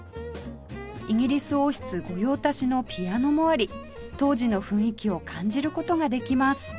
イギリス王室御用達のピアノもあり当時の雰囲気を感じる事ができます